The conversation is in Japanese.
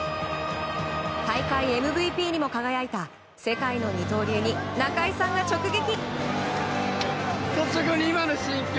大会ＭＶＰにも輝いた世界の二刀流に中居さんが直撃。